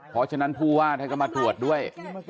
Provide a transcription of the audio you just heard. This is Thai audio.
เพราะฉะนั้นผู้ว่านก็มาถวดด้วย